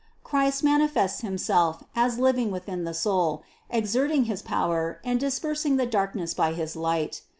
Christ mani fests Himself as living within the soul, exerting his power and dispersing the darkness by his light.